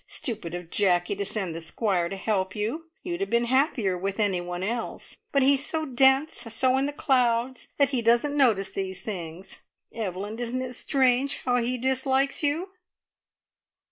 Stupid of Jacky to send the Squire to help you! You'd have been happier with anyone else, but he's so dense, so in the clouds, that he doesn't notice these things. Evelyn, isn't it strange how he dislikes you?"